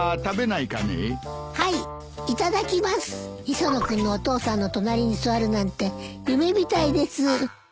磯野君のお父さんの隣に座るなんて夢みたいです。